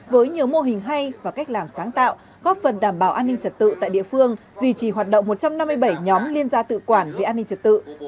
với nhiều mô hình hay và cách làm sáng tạo góp phần đảm bảo an ninh trật tự tại địa phương duy trì hoạt động một trăm năm mươi bảy nhóm liên gia tự quản về an ninh trật tự